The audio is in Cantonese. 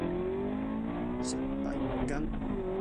食閉門羹